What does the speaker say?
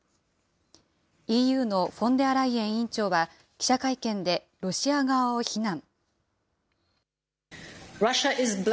ＥＵのフォンデアライエン委員長は、記者会見でロシア側を非難。